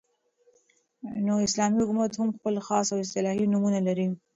، نو اسلامي حكومت هم خپل خاص او اصطلاحي نومونه لري